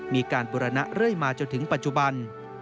มีการบุรณะเรื่อยมาจนถึงปัจจุบัน